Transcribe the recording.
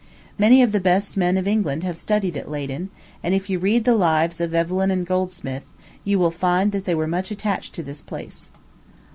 Many of the best men of England have studied at Leyden; and if you read the lives of Evelyn and Goldsmith, you will find they were much attached to this place.